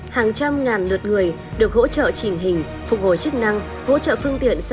hàng trăm ngàn lượt người được hỗ trợ trình hình phục hồi chức năng hỗ trợ phương tiện xe lăn xe đẩy